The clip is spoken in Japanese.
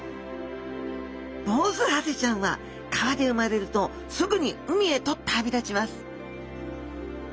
ボウズハゼちゃんは川で生まれるとすぐに海へと旅立ちます